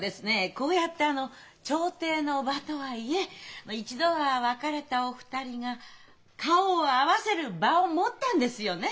こうやってあの調停の場とはいえ一度は別れたお二人が顔を合わせる場を持ったんですよね。